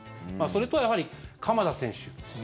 それと、やはり鎌田選手。